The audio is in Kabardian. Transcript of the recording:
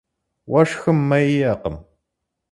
Уэшхым мэ иӏэкъым.